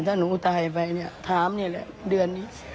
ถ้าหนูตายไปเนี่ยถามนี่แหละเดือนนี้